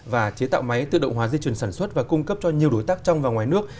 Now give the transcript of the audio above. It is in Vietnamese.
và chế tạo máy tự động hóa di chuyển sản xuất và cung cấp cho nhiều đối tác trong và ngoài nước